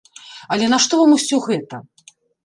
Але нашто вам усё гэта?